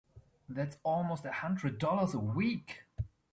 That's almost a hundred dollars a week!